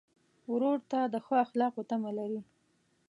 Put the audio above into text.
ورور ته د ښو اخلاقو تمه لرې.